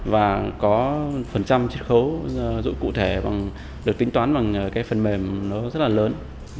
và có phần trăm chất khấu dụng cụ thể được tính toán bằng phần mềm rất lớn